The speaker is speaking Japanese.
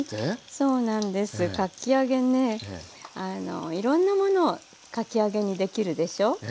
そうなんですかき揚げねいろんなものをかき揚げにできるでしょ。